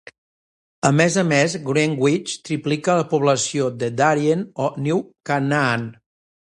A més a més, Greenwich triplica la població de Darien o New Canaan.